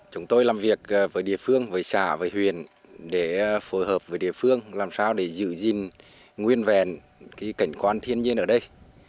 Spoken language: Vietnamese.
chúng tôi làm việc với địa phương với xã với huyền để phối hợp với địa phương làm sao để giữ gìn nguyên vẹn cảnh quan thiên nhiên ở đây